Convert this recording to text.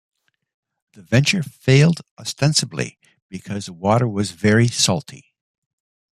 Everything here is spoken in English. The venture failed ostensibly because the water was very salty.